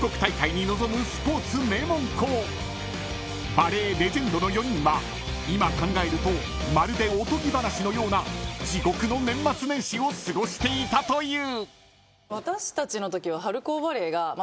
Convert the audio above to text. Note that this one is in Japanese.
［バレーレジェンドの４人は今考えるとまるでおとぎ話のような地獄の年末年始を過ごしていたという］